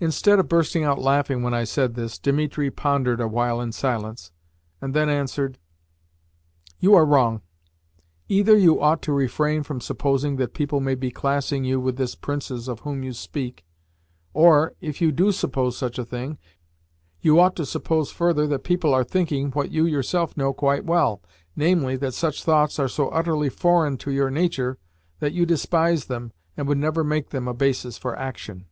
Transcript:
Instead of bursting out laughing when I said this, Dimitri pondered awhile in silence, and then answered: "You are wrong. Either you ought to refrain from supposing that people may be classing you with this Princess of whom you speak, or, if you DO suppose such a thing, you ought to suppose further that people are thinking what you yourself know quite well namely, that such thoughts are so utterly foreign to your nature that you despise them and would never make them a basis for action.